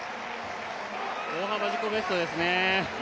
大幅な自己ベストですね。